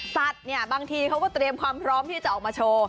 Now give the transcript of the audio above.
สัตว์เนี่ยบางทีเขาก็เตรียมความพร้อมที่จะออกมาโชว์